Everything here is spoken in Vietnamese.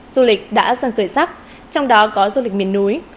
du lịch đã dân cười sắc trong đó có du lịch miền núi